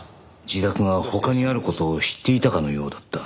自宅が他にある事を知っていたかのようだった。